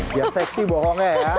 biar seksi bokongnya ya